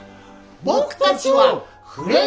僕たちはフレンズ。